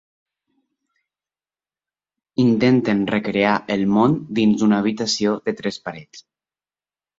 Intenten recrear el món dins una habitació de tres parets.